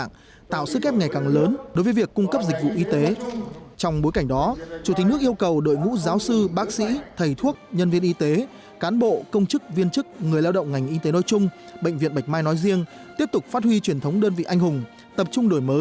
chủ tịch nước trần đại quang chúc mừng tôn vinh những thành tích đóng góp to lớn mà các thế hệ giáo sư bác sĩ thầy thuốc nhân viên y tế cán bộ công chức viên chức người lao động ngành y tế nôi chung bệnh viện bạch mai nói riêng đã đạt được trong thời gian vừa qua